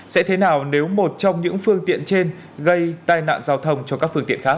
sẽ thế nào nếu một trong những phương tiện trên gây tai nạn giao thông cho các phương tiện khác